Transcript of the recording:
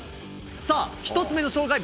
さあ、１つ目の障害物。